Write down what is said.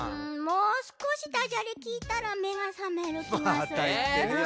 もうすこしダジャレきいたらめがさめるきがするな。